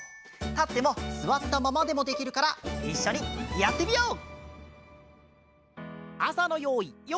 たってもすわったままでもできるからいっしょにやってみよう！